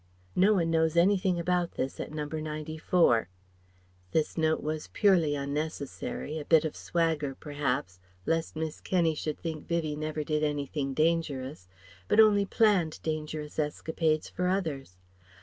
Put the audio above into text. No one knows anything about this at No. 94." (This note was purely unnecessary a bit of swagger perhaps, lest Miss Kenney should think Vivie never did anything dangerous, but only planned dangerous escapades for others.